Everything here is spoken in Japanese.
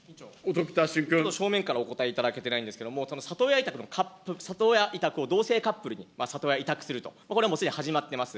正面からお答えいただけてないんですけれども、里親委託を同性カップルに里親委託すると、これはもうすでに始まっています。